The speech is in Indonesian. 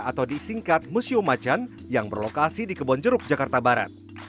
atau disingkat museum macan yang berlokasi di kebonjeruk jakarta barat